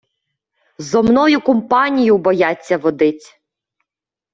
Зо мною кумпанію бояться водить.